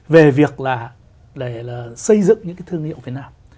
về việc là để xây dựng những cái thương hiệu phải nào